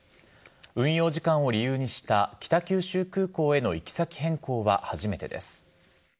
運用時間を理由にした北九州空港への行き先変更は初めてです。